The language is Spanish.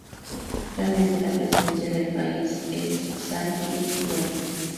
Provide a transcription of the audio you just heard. Actualmente la presidenta del país es Tsai, Ing-Wen.